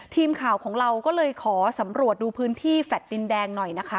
ทีมข่าวของเราก็เลยขอสำรวจดูพื้นที่แฟลต์ดินแดงหน่อยนะคะ